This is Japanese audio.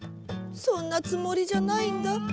そんなつもりじゃないんだ。